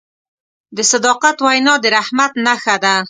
د صداقت وینا د رحمت نښه ده.